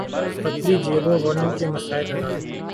پتلی جیبوں والوں کے مسائل الگ ہیں۔